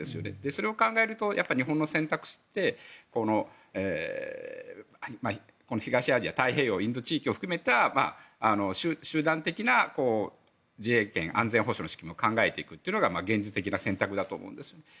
それを考えると日本の選択肢って東アジア太平洋インド地域を含めた集団的な自衛権安全保障の仕組みを考えていくというのが現実的な選択だと思うんです。